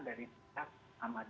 masjid yang berdiri